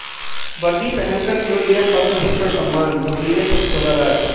वर्दी पहनकर क्यों लिया पद्म भूषण सम्मान, धोनी ने खुद खोला राज